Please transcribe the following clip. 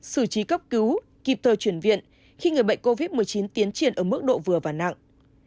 sử trí cấp cứu kịp thời chuyển viện khi người bệnh covid một mươi chín tiến triển ở mức độ vừa và nặng